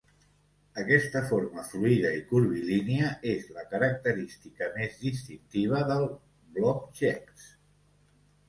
Aquesta forma fluïda i curvilínia és la característica més distintiva del "blobjects".